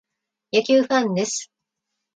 野球ファンです。